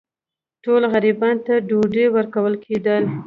ټولو غریبانو ته ډوډۍ ورکول کېدله.